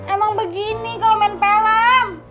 emang begini kalau main pelam